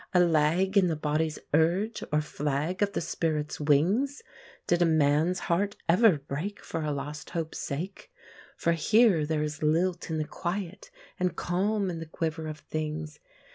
A lag in the body's urge or a flag of the spirit's wings? Did a man's heart ever break For a lost hope's sake? For here there is lilt in the quiet and calm in the quiver of things.